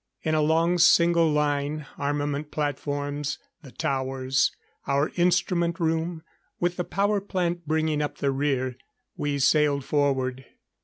In a long single line, armament platforms, the towers, our instrument room, with the power plant bringing up the rear, we sailed forward.